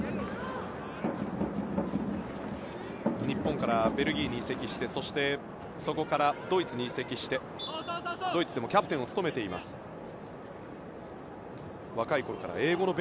日本からベルギーに移籍してそこからドイツに移籍してドイツでもキャプテンを務めている遠藤。